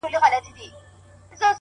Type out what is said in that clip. هره ورځ د نوې موخې چانس لري,